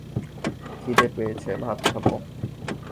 খিদে পেয়েছে, ভাত খাব।